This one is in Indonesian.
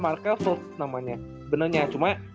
markel fultz namanya benernya cuma